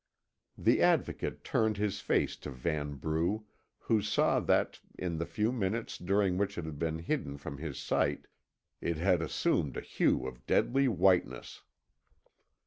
The Advocate turned his face to Vanbrugh, who saw that, in the few minutes during which it had been hidden from his sight, it had assumed a hue of deadly whiteness.